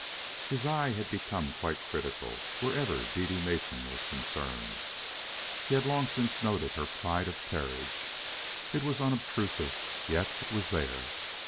His eye had become quite critical wherever Dede Mason was concerned. He had long since noted her pride of carriage. It was unobtrusive, yet it was there.